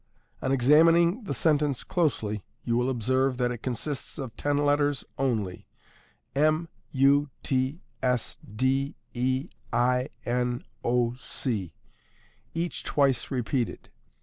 On examining the sentence closely, you will observe that it consists of ten letters only, m, u, t, s, d, e, i, n, o, c, each twice repeated.